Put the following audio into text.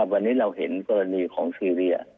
วันนี้เราเห็นกรณีของซีเรีย